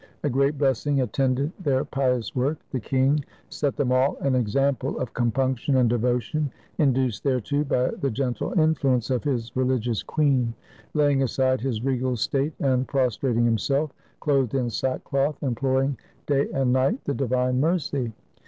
A great blessing attended their pious work. The king set them all an example of compunction and devotion, induced thereto by the gentle influence of his religious queen, laying aside his regal state and pros trating himself, clothed in sackcloth, imploring day and night the divine mercy.